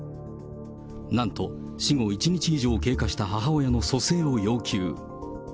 なんと死後１日以上経過した母親の蘇生を要求。